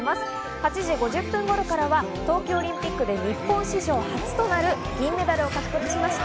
８時５０分頃からは東京オリンピックで日本史上初となる銀メダルを獲得しました。